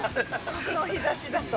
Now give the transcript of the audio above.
この日ざしだと。